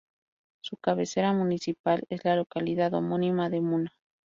Su cabecera municipal es la localidad homónima de Muna.